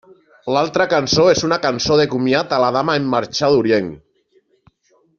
L'altra cançó és una cançó de comiat a la dama en marxar d'Orient.